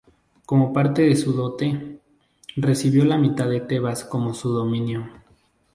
Como parte de su dote, recibió la mitad de Tebas como su dominio.